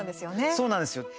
そうなんですよ。